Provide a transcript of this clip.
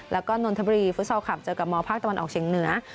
แล้วก็นนทบุรีฟุตซอลคลับเจอกับมภาคตะวันออกเฉียงเหนือ